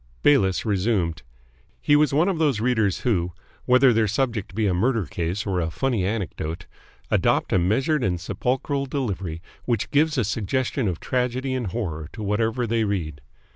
Bayliss resumed. He was one of those readers who, whether their subject be a murder case or a funny anecdote, adopt a measured and sepulchral delivery which gives a suggestion of tragedy and horror to whatever they read.